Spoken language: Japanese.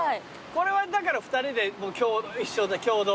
これはだから２人で共同。